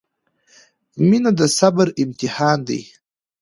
• مینه د صبر امتحان دی.